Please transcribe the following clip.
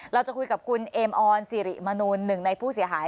เราจะคุยกับคุณเอมออนสิริมนูลหนึ่งในผู้เสียหาย